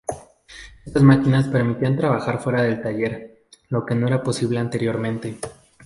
Estas máquinas permitían trabajar fuera del taller, lo que no era posible anteriormente.